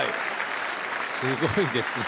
すごいですね。